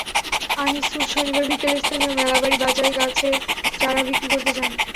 আনিছুর শনিবার বিকেলে স্থানীয় মেলাবাড়ী বাজারে গাছের চারা বিক্রি করতে যান।